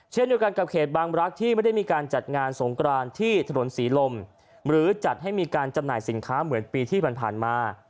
เช่นเดียวกันกับเขตบางรักษ์ที่ไม่ได้มีการจัดงานสงกรานที่ถนนศรีลมหรือจัดให้มีการจำหน่ายสินค้าเหมือนปีที่ผ่านมา